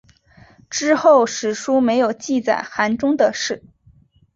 之后史书没有记载韩忠的事。